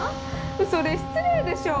それ失礼でしょ！